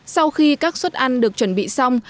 sau khi các xuất ăn được chuẩn bị xong